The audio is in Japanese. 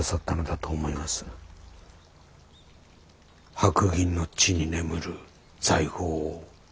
白銀の地に眠る財宝を。